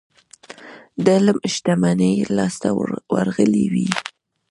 د علم شتمني يې لاسته ورغلې وي.